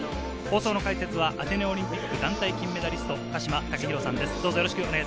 解説は、アテネオリンピック団体金メダリスト、鹿島丈博さんです。